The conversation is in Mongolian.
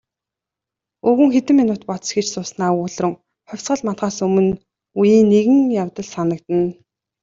Өвгөн хэдэн минут бодос хийж сууснаа өгүүлрүүн "Хувьсгал мандахаас өмнө үеийн нэгэн явдал санагдана".